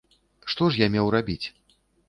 Што ж я меў рабіць?